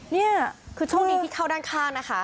นี่คือโชคดีที่เข้าด้านข้างนะคะ